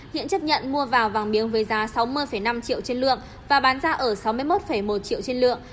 hiện chấp nhận mua vào vàng miếng với giá sáu mươi năm triệu trên lượng và bán ra ở sáu mươi một một triệu trên lượng